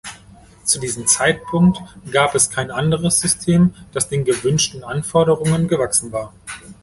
Zu diesem Zeitpunkt gab es kein anderes System, das den gewünschten Anforderungen gewachsen war.